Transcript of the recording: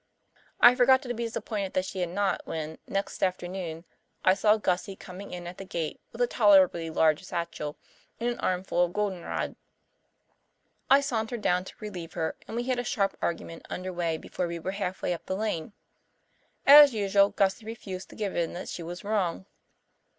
I forgot to be disappointed that she had not when, next afternoon, I saw Gussie coming in at the gate with a tolerably large satchel and an armful of golden rod. I sauntered down to relieve her, and we had a sharp argument under way before we were halfway up the lane. As usual Gussie refused to give in that she was wrong.